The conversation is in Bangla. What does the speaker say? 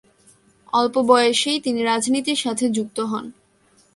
অল্প বয়সেই তিনি রাজনীতির সাথে যুক্ত হন।